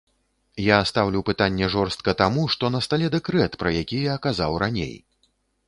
Я стаўлю пытанне жорстка таму, што на стале дэкрэт, пра які я казаў раней.